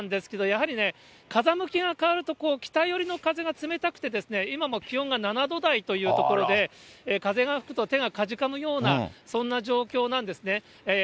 やはりね、風向きが変わると、こう、北寄りの風が冷たくてですね、今も気温が７度台というところで、風が吹くと手がかじかむような、そんな状況なんですね。